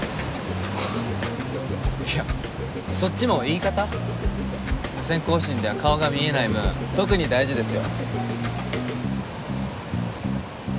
いやそっちも言い方無線交信では顔が見えない分特に大事ですよ。